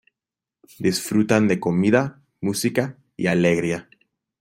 Disfrutan de comida, música y alegría.